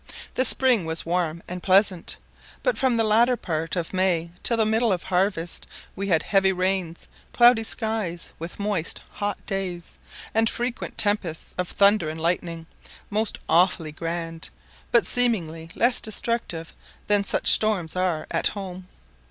The spring was warm and pleasant, but from the latter part of May till the middle of harvest we had heavy rains, cloudy skies, with moist hot days, and frequent tempests of thunder and lightning, most awfully grand, but seemingly less destructive than such storms are at home.